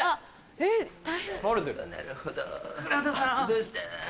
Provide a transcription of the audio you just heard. どうした？